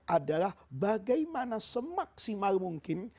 adalah bagaimana semaksimal mungkin